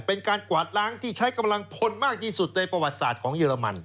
กวาดล้างที่ใช้กำลังพลมากที่สุดในประวัติศาสตร์ของเยอรมัน